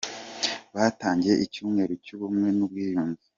Batangije icyumweru cy’Ubumwe n’Ubwiyunge